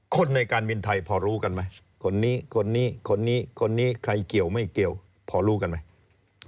คนในการบินไทยพอรู้กันไหมคนนี้คนนี้คนนี้คนนี้คนนี้ใครเกี่ยวไม่เกี่ยวพอรู้กันไหม